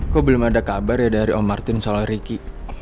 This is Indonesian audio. kok belum ada kabar ya dari om martin sama ricky